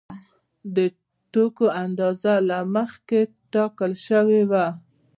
د توکو اندازه له مخکې ټاکل شوې وه